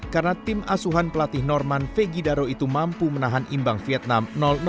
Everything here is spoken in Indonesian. karena tim asuhan pelatih norman vegidaro itu mampu menahan imbang vietnam